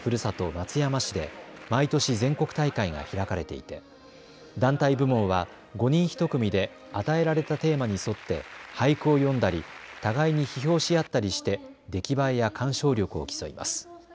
松山市で毎年、全国大会が開かれていて団体部門は５人１組で与えられたテーマに沿って俳句を詠んだり互いに批評し合ったりして出来栄えや鑑賞力を競います。